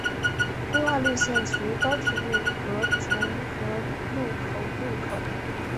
规划路线起于高铁路和重和路口路口。